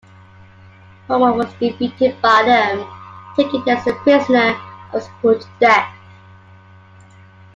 Polemon was defeated by them, taken as their prisoner and was put to death.